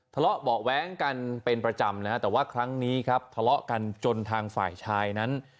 ทะเลาะเบาะแว้งกันเป็นประจำนะฮะแต่ว่าครั้งนี้ครับทะเลาะกันจนทางฝ่ายชายนั้น